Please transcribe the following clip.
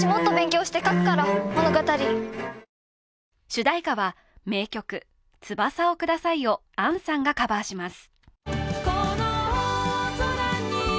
主題歌は名曲「翼をください」を杏さんがカバーします。